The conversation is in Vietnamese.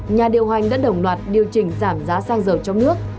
nhà điều hành đã đồng loạt điều chỉnh giảm giá xăng dầu trong nước